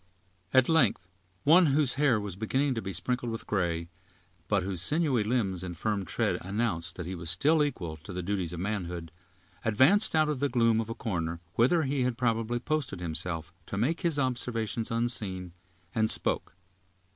At length one whose hair was beginning to be sprinkled with gray, but whose sinewy limbs and firm tread announced that he was still equal to the duties of manhood, advanced out of the gloom of a corner, whither he had probably posted himself to make his observations unseen, and spoke.